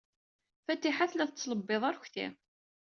Fatiḥa tella tettlebbiḍ arekti.